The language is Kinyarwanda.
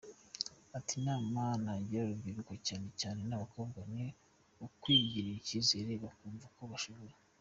Ati “Inama nagira urubyiruko cyane cyane abakobwa ni ukwigirira icyizere bakumva ko bashoboye.